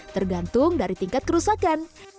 tergantung dari tingkat kerusakan